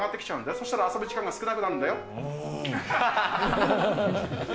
そうしたら遊ぶ時間が少なくなるんー。